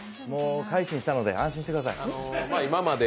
もう改心したので安心してください。